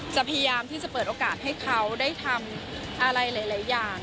พยายามที่จะเปิดโอกาสให้เขาได้ทำอะไรหลายอย่าง